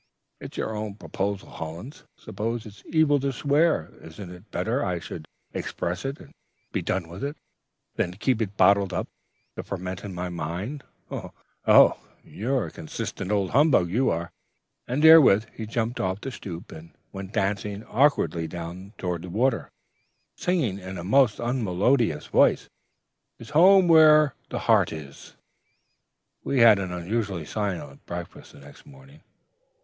"It's your own proposal, Hollins. Suppose it's evil to swear: isn't it better I should express it, and be done with it, than keep it bottled up, to ferment in my mind? Oh, you're a precious, consistent old humbug, you are!' "And therewith he jumped off the stoop, and went dancing awkwardly down toward the water, singing in a most unmelodious voice, ''Tis home where'er the heart is.' ... "We had an unusually silent breakfast the next morning.